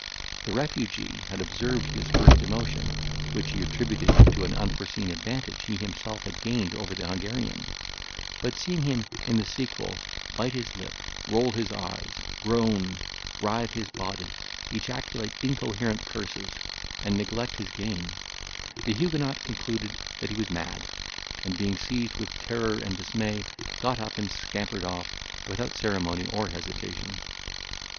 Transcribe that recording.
The refugee had observed his first emotion, which he attributed to an unforeseen advantage he himself had gained over the Hungarian; but seeing him, in the sequel, bite his lip, roll his eyes, groan, writhe his body, ejaculate incoherent curses, and neglect his game, the Huguenot concluded that he was mad, and being seized with terror and dismay, got up and scampered off, without ceremony or hesitation.